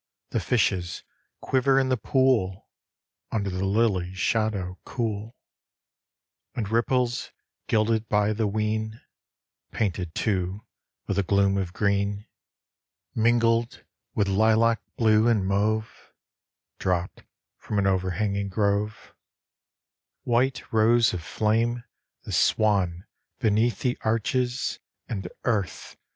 The fishes quiver in the pool Under the lily shadow cool, And ripples gilded by the whin, Painted, too, with a gloom of green, Mingled with lilac blue and mauve, Dropped from an overhanging grove ; White rose of flame the swan beneath the arche s And, Earth